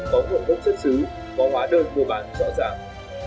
cũng chất xứ có hóa đơn của bạn rõ ràng